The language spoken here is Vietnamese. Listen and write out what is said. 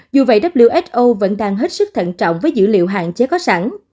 dù vậy who vẫn đang hết sức thận trọng với dữ liệu hạn chế có sẵn